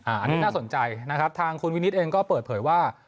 อันนี้น่าสนใจนะครับทางคุณวินิตเองก็เปิดเผยว่า